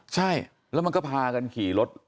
ใช่แล้วมันก็พากันขี่รถ